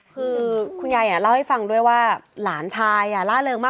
คือคุณยายเล่าให้ฟังด้วยว่าหลานชายล่าเริงมาก